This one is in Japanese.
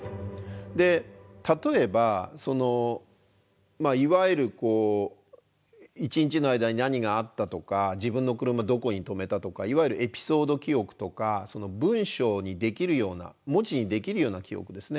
で例えばいわゆる一日の間に何があったとか自分の車どこに止めたとかいわゆるエピソード記憶とか文章にできるような文字にできるような記憶ですね